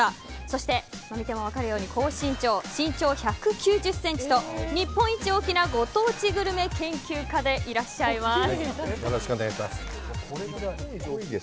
そして見ても分かるように高身長身長１９０ｃｍと日本一大きなご当地グルメ研究家です。